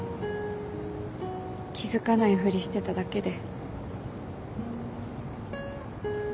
気付かないふりしてただけで。